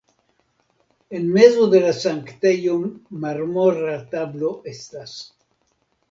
En mezo de la sanktejo marmora tablo estas.